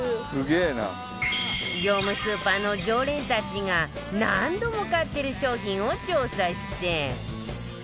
業務スーパーの常連たちが何度も買ってる商品を調査して